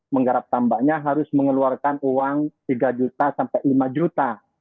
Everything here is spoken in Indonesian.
menggarap tambaknya harus mengeluarkan uang tiga juta sampai lima juta